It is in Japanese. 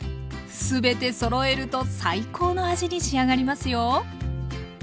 すべてそろえると最高の味に仕上がりますよ。